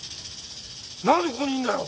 何でここにいんだよ。